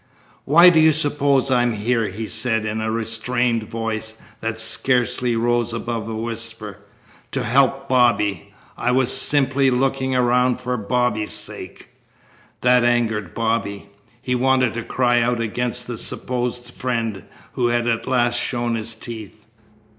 "Why do you suppose I'm here?" he said in a restrained voice that scarcely rose above a whisper. "To help Bobby. I was simply looking around for Bobby's sake." That angered Bobby. He wanted to cry out against the supposed friend who had at last shown his teeth.